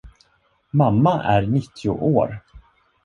Mamma är nittio år.